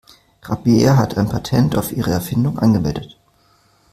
Rabea hat ein Patent auf ihre Erfindung angemeldet.